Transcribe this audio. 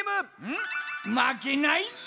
んっまけないぞ！